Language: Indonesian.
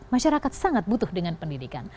masyarakat sangat butuh dengan pendidikan